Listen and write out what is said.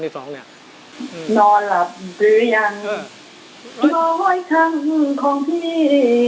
นอนหลับหรือยังร้อยครั้งของพี่